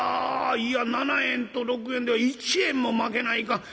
いや７円と６円では１円もまけないかん。